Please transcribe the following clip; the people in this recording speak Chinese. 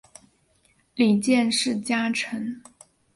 里见氏家臣。